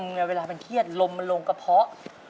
ไม่ไหวนะเวลามันเครียดลบมันโลกะเพาะ